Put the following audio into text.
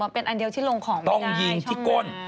เป็นอันเดียวที่ลงของไม่ได้ที่ก้น